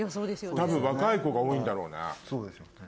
多分若い子が多いんだろうね。